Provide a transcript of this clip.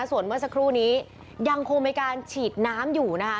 ส่วนเมื่อสักครู่นี้ยังคงมีการฉีดน้ำอยู่นะคะ